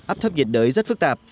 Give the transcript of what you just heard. áp thấp nhiệt đới rất phức tạp